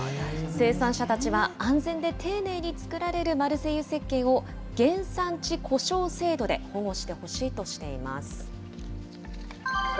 生産者たちは、安全で丁寧に作られるマルセイユせっけんを、原産地呼称制度で保護してほしいとしています。